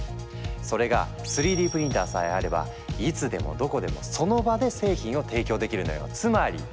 それが３Ｄプリンターさえあればいつでもどこでもその場で製品を提供できるのよ。